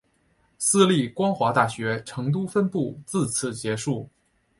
私立光华大学成都分部自此结束。